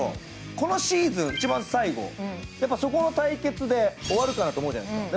このシーズン一番最後、そこの対決で終わるかなと思うじゃないですか。